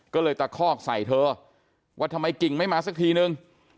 ก็เลยตะคอกใส่เธอว่าทำไมกิ่งไม่มาสักทีนึง